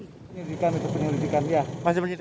penyelidikan itu penyelidikan ya